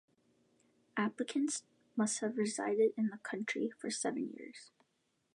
Applicants must have resided in the country for seven years.